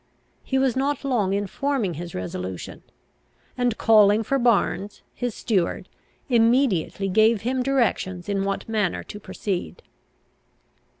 He was not long in forming his resolution; and, calling for Barnes his steward, immediately gave him directions in what manner to proceed.